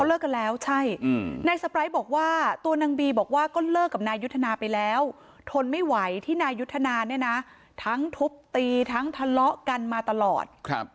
เลิกกันแล้วใช่นายสปร้ายบอกว่าตัวนางบีบอกว่าก็เลิกกับนายุทธนาไปแล้วทนไม่ไหวที่นายยุทธนาเนี่ยนะทั้งทุบตีทั้งทะเลาะกันมาตลอด